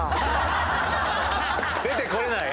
出てこれない。